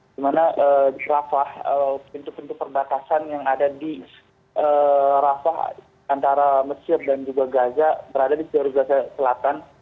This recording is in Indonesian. dimana rafa pintu pintu perbatasan yang ada di rafa antara mesir dan juga gaza berada di jalur gaza selatan